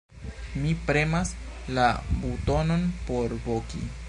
Mi premas la butonon por voki.